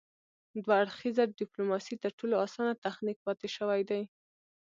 دوه اړخیزه ډیپلوماسي تر ټولو اسانه تخنیک پاتې شوی دی